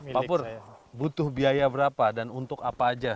pak pur butuh biaya berapa dan untuk apa aja